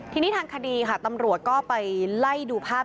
ทีนี้ทางคดีค่ะตำรวจก็ไปไล่ดูภาพ